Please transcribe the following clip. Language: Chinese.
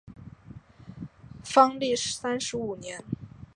万历三十五年。